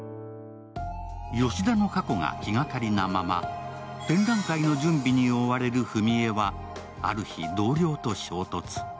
ヨシダの過去が気がかりなまま展覧会の準備に追われる史絵はある日、同僚と衝突。